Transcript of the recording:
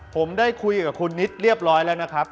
ผมได้คุยกับคุณนิดเรียบร้อยแล้วนะครับ